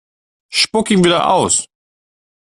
Spuck ihn wieder aus!